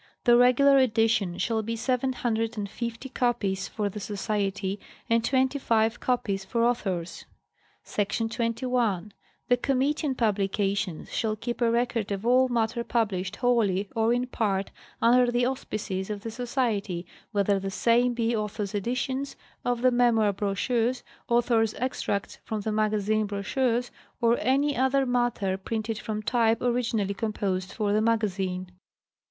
The regular edition shall be seven hundred and fifty copies for the Society, and twenty five copies for authors. Sec. 21. The Committee on Publications shall keep a record of all matter published wholly or in part under the auspices of the Society whether the same be author's editions of the memoir brochures, author's extracts from the magazine brochures, or any other matter printed from type originally composed for the Magazine.